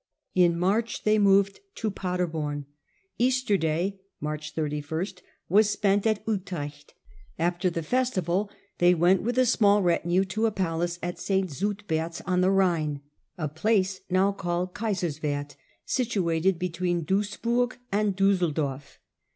In March they moved to Paderbom. Easter Day (March 31st) was spent at Utrecht. After the festival they went with a small retinue to a palace at St. Suitberth's on the Bhine, a place now called Kaiserswerth, situated between Duis berg and DUsseldorf.